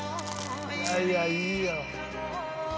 いやいやいいよ。